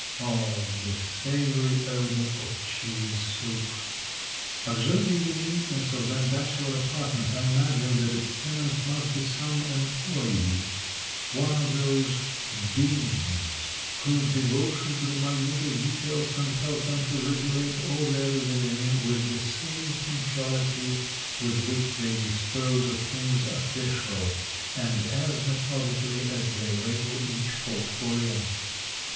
Oh ! the savory odor of cheese soup ! Observing the neatness of that bachelor apart ment, I imagine that its tenant must be some em ploy^, one of those beings whose devotion to the minutest details compels them to regulate all their living with the same punctuality with which they dispose of things official, and as methodically as they label each portfolio.